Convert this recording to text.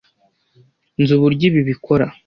Nzi uburyo ibi bikora.